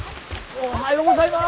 おはようございます。